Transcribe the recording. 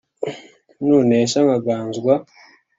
nunesha nkaganzwa